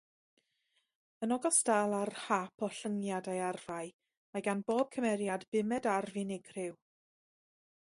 Yn ogystal â'r hap ollyngiadau arfau, mae gan bob cymeriad bumed arf unigryw.